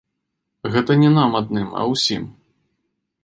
Гэта не нам адным, а ўсім.